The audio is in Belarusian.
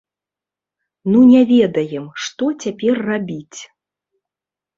Ну не ведаем, што цяпер рабіць!